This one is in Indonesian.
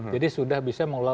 jadi sudah bisa mengelola